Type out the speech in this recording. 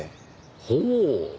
ほう！